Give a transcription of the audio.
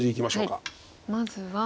まずは。